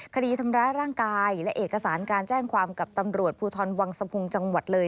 คดีทำร้ายร่างกายและเอกสารการแจ้งความกับตำรวจภูทรวังสะพุงจังหวัดเลย